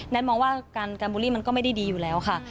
มองว่าการบูลลี่มันก็ไม่ได้ดีอยู่แล้วค่ะ